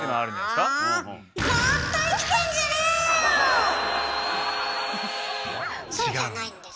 そうじゃないんです。